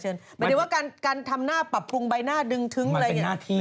หมายถึงว่าการทำหน้าปรับปรุงใบหน้าดึงทึ้งอะไรอย่างนี้